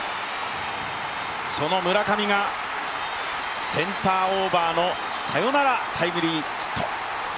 その村上がセンターオーバーのサヨナラタイムリーヒット。